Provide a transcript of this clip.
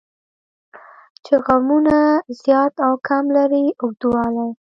چې غمونه زیات او کم لري اوږدوالی.